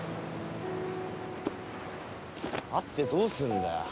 会ってどうすんだよ。